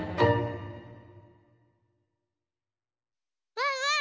ワンワン